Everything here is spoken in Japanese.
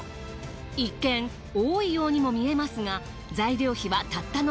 一見多いようにも見えますが。